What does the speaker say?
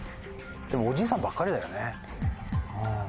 でもおじいさんばっかりだよね。